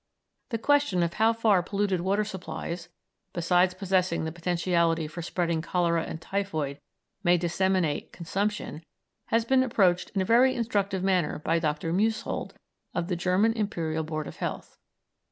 The question of how far polluted water supplies, besides possessing the potentiality for spreading cholera and typhoid, may disseminate consumption, has been approached in a very instructive manner by Dr. Musehold, of the German Imperial Board of Health.